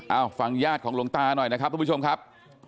เอาฟังญาติของหลวงตาหน่อยนะครับทุกผู้ชมครับ